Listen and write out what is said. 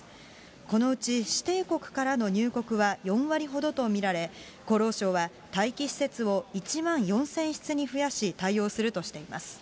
このうち指定国からの入国は４割ほどと見られ、厚労省は待機施設を１万４０００室に増やし対応するとしています。